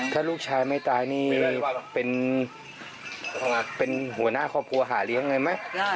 ถ้าลูกชายไม่ตายนี่เป็นหัวหน้าครอบครัวหาเลี้ยงไงไหม